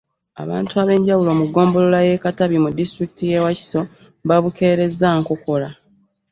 Abantu ab'enjawulo mu ggombolola y'e Katabi mu disitulikiti y'e Wakiso babukeerezza nkokola.